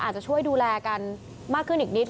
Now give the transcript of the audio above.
อาจจะช่วยดูแลกันมากขึ้นอีกนิด